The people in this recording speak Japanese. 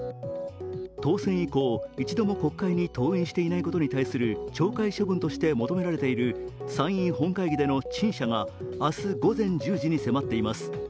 当選以降、一度も国会に登院していないことに対する懲戒処分として求められている参院本会議での陳謝が明日午前１０時に迫っています。